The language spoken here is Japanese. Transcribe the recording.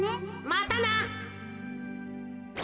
またな。